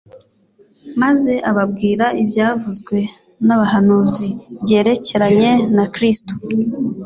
maze ababwira ibyavuzwe n'abahanuzi byerekeranye na Kristo.